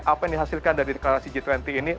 apa yang dihasilkan dari deklarasi g dua puluh ini